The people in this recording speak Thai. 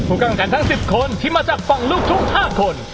กำลังกันทั้ง๑๐คนที่มาจากฝั่งลูกทุ่ง๕คน